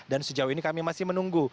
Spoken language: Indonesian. dan sejauh ini kami masih menunggu